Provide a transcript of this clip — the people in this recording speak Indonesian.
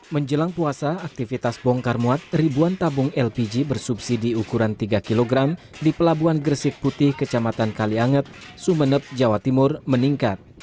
menjelang puasa aktivitas bongkar muat ribuan tabung lpg bersubsidi ukuran tiga kg di pelabuhan gresik putih kecamatan kalianget sumeneb jawa timur meningkat